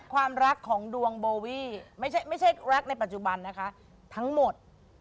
ความรักของดวงโบวี่ไม่ใช่รักในปัจจุบันนะคะทั้งหมด